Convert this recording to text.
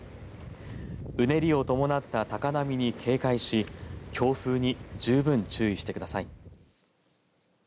うねりを伴った高波に警戒し強風に十分注意してください。